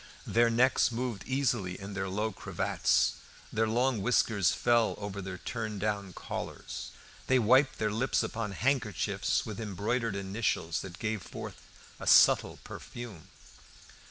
Their necks moved easily in their low cravats, their long whiskers fell over their turned down collars, they wiped their lips upon handkerchiefs with embroidered initials that gave forth a subtle perfume.